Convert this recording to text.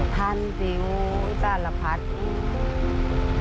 ท่านจิ๋วสารพัฒน์